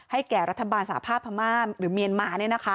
ให้แก่รัฐบาลสาภาพม่ามหรือเมียนมารนะคะ